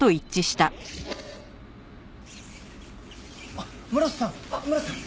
あっ村瀬さん村瀬さん！